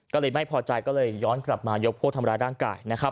ก็เลยไม่พอใจก็เลยย้อนกลับมายกพวกทำร้ายร่างกายนะครับ